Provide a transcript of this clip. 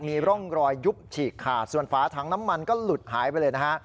มีร่องรอยยุบฉีกขาดส่วนฝาถังน้ำมันก็หลุดหายไปเลยนะฮะ